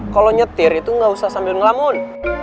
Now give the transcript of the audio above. kalo nyetir itu ga usah sambil ngelamun